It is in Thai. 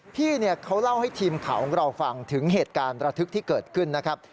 พี่เขาเล่าให้ทีมข่าวของเราฟังถึงเหตุการณ์ระทึกที่เกิดขึ้นนะครับ